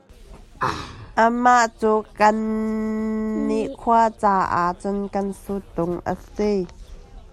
Amah cu kan nih khua caah cun kan suttung a si.